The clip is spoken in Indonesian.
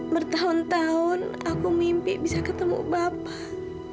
bertahun tahun aku mimpi bisa ketemu bapak